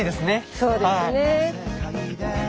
そうですね。